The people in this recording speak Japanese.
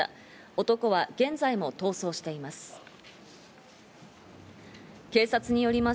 男は現在も逃走しています。